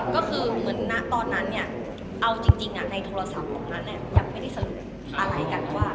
ก็คือเหมือนณตอนนั้นเนี่ยเอาจริงในโทรศัพท์ตรงนั้นยังไม่ได้สรุปอะไรกันว่า